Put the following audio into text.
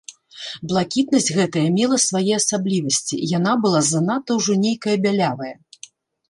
Блакітнасць гэтая мела свае асаблівасці, яна была занадта ўжо нейкая бялявая.